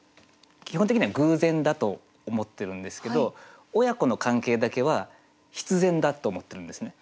基本的には偶然だと思ってるんですけど親子の関係だけは必然だと思ってるんですね。